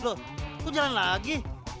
loh kok jalan lagi